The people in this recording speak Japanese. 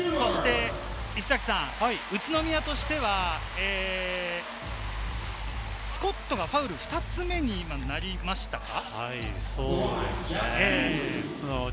宇都宮としてはスコットがファウル、２つ目に今なりましたか？